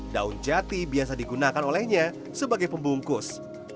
daun jati biasa digunakan olehnya sebagai pembungkus